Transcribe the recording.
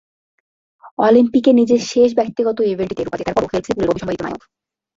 অলিম্পিকে নিজের শেষ ব্যক্তিগত ইভেন্টটিতে রুপা জেতার পরও ফেল্প্সই পুলের অবিসংবাদিত নায়ক।